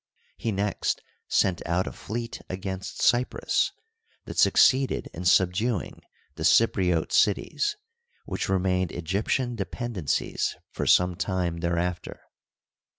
He next sent out a fleet against Cyprus that succeeded in subduing the Cypriote cities, which remained Egyptian dependencies for some time thereafter.